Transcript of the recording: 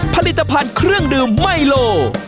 ผลิตภัณฑ์เครื่องดื่มไมโล